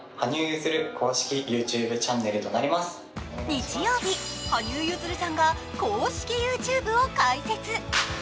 日曜日、羽生結弦さんが公式ＹｏｕＴｕｂｅを開設。